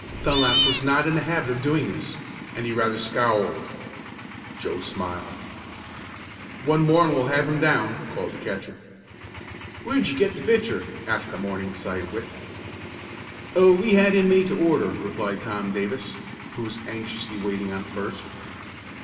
Dunlap was not in the habit of doing this, and he rather scowled. Joe smiled. "One more and we'll have him down!" called the catcher. "Where'd you get the pitcher?" asked a Morningside wit. "Oh, we had him made to order," replied Tom Davis, who was anxiously waiting on first.